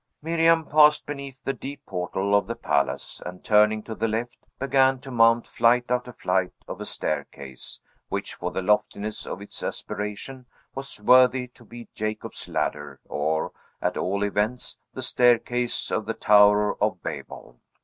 Miriam passed beneath the deep portal of the palace, and turning to the left, began to mount flight after flight of a staircase, which, for the loftiness of its aspiration, was worthy to be Jacob's ladder, or, at all events, the staircase of the Tower of Babel.